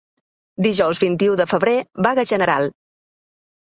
Dijous vint-i-u de febrer, vaga general!